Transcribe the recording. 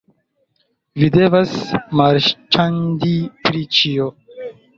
Vi devas marĉandi pri ĉio